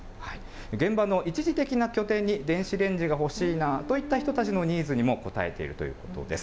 現場の一時的な拠点に電子レンジが欲しいなといった人たちのニーズにも応えているということです。